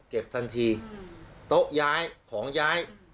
ทันทีโต๊ะย้ายของย้าย